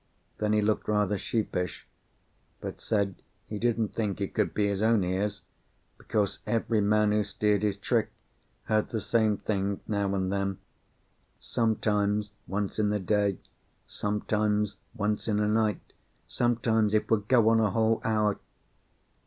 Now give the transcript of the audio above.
Then he looked rather sheepish, but said he didn't think it could be his own ears, because every man who steered his trick heard the same thing now and then, sometimes once in a day, sometimes once in a night, sometimes it would go on a whole hour.